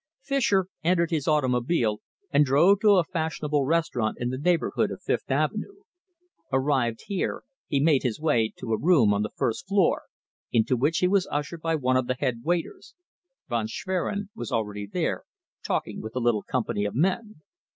Fischer entered his automobile and drove to a fashionable restaurant in the neighbourhood of Fifth Avenue. Arrived here, he made his way to a room on the first floor, into which he was ushered by one of the head waiters. Von Schwerin was already there, talking with a little company of men.